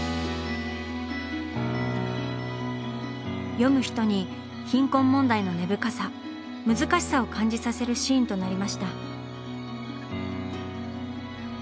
読む人に貧困問題の根深さ難しさを感じさせるシーンとなりました。